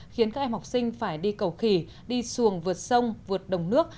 khiến các em học sinh phải đi cầu khỉ đi xuồng vượt sông vượt đồng nước